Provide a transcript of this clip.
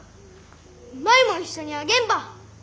舞も一緒にあげんば。